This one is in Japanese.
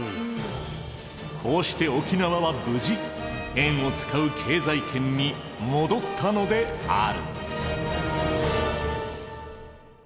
こうして沖縄は無事円を使う経済圏に戻ったのである。